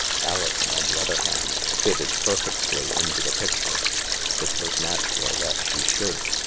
Alison, on the other hand, fitted perfectly into the picture. It was natural that she should.